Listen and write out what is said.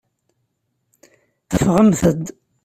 Ffɣemt-d.